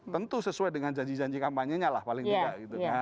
tentu sesuai dengan janji janji kampanye nya lah paling tidak